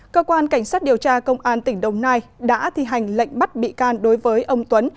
cơ quan cảnh sát điều tra công an tỉnh đồng nai đã thi hành lệnh bắt bị can đối với ông tuấn